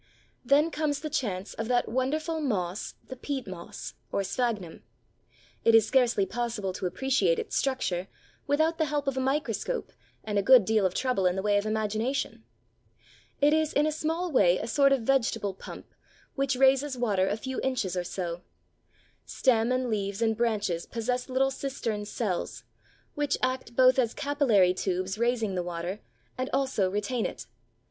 Then comes the chance of that wonderful moss the peat moss, or Sphagnum. It is scarcely possible to appreciate its structure without the help of a microscope and a good deal of trouble in the way of imagination. It is in a small way a sort of vegetable pump which raises water a few inches or so. Stem and leaves and branches possess little cistern cells, which act both as capillary tubes raising the water and also retain it.